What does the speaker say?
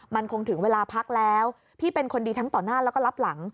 มันคงถึงเวลาพักแล้วพี่เป็นคนดีทั้งต่อหน้าแล้วก็รับหลัง